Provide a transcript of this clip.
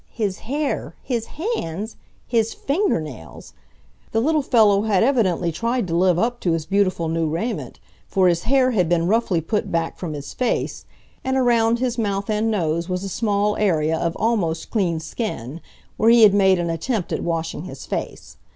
his hair! his hands! his finger nails! The little fellow had evidently tried to live up to his beautiful new raiment, for his hair had been roughly put back from his face, and around his mouth and nose was a small area of almost clean skin, where he had made an attempt at washing his face.